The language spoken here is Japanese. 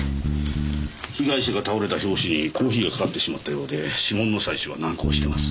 被害者が倒れた拍子にコーヒーがかかってしまったようで指紋の採取は難航しています。